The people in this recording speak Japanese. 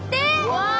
うわ！